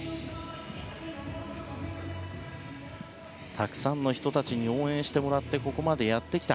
たくさんの人たちに応援してもらってここまでやってきた。